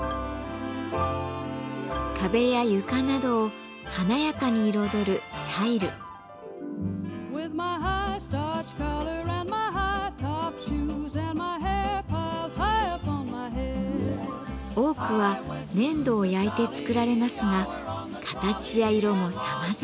壁や床などを華やかに彩る多くは粘土を焼いて作られますが形や色もさまざま。